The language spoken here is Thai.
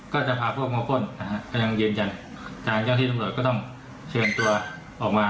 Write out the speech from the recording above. ก็จะพาพวกมัวข้นนะฮะก็ยังเย็นยันจากนั้นเจ้าที่สำหรับก็ต้องเชิญตัวออกมา